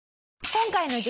今回の激